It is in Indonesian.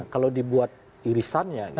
kalau dibuat irisannya